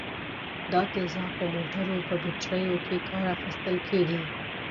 دا تیزاب په موټرو په بټریو کې کار اخیستل کیږي.